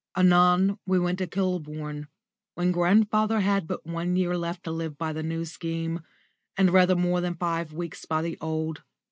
Anon we went to Kilburn, when grandfather had but one year left to live by the New Scheme and rather more than five weeks by the old.